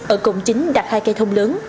ở cổng chính đặt hai cây thông lớn